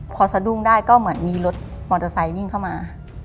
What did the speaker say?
พอสะดุ้งได้ก็เหมือนมีรถมอเตอร์ไซค์วิ่งเข้ามา